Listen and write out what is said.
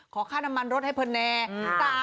ขอค่าน้ำมันรถให้เพอร์แน